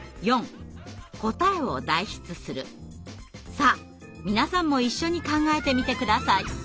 さあ皆さんも一緒に考えてみて下さい。